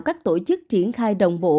các tổ chức triển khai đồng bộ